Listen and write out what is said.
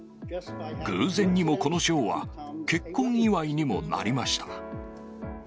偶然にもこの賞は、結婚祝いにもなりました。